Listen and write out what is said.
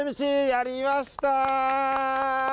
やりました！